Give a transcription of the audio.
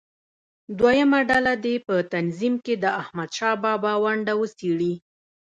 دویمه ډله دې په تنظیم کې د احمدشاه بابا ونډه وڅېړي.